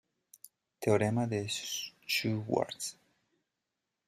Teorema de Schwartz.